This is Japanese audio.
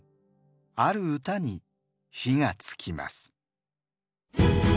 ある歌に火がつきます。